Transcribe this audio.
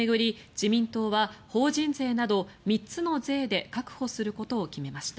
自民党は、法人税など３つの税で確保することを決めました。